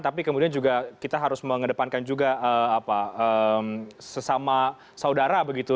tapi kemudian juga kita harus mengedepankan juga sesama saudara begitu